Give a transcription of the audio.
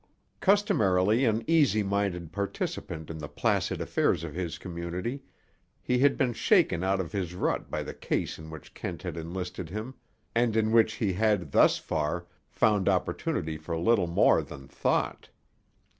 Customarily an easy minded participant in the placid affairs of his community, he had been shaken out of his rut by the case in which Kent had enlisted him, and in which he had, thus far, found opportunity for little more than thought.